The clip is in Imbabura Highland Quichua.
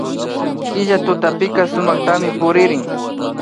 Killa tutapika sumaktami puririn